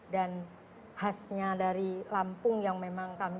dan khasnya dari lampung yang memang kami